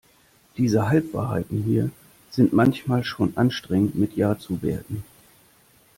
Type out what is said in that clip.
Diese Halbwahrheiten hier sind manchmal schon anstrengend mit ja zu werten.